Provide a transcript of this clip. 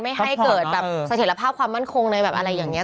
ไม่ให้เกิดแบบสังเถธภาพความมั่นคงอะไรอย่างนี้